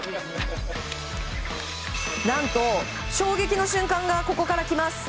何と、衝撃の瞬間がここから来ます。